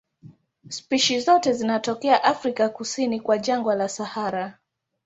Spishi zote zinatokea Afrika kusini kwa jangwa la Sahara.